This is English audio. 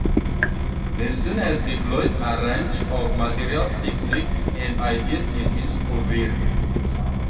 Nelson has deployed a range of materials, techniques and ideas in his oeuvre.